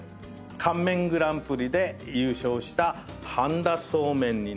乾麺グランプリで優勝した半田そうめんになります。